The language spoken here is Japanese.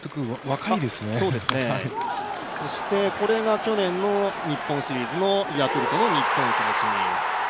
そうですね、そしてこれが去年の日本シリーズのヤクルトの日本一のシーン。